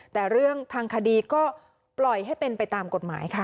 แต่เรื่องทางคดีก็ปล่อยให้เป็นไปตามกฎหมายค่ะ